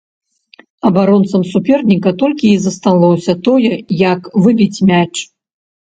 Абаронцам суперніка толькі і засталося тое, як выбіць мяч.